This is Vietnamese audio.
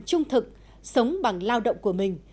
trung thực sống bằng lao động của mình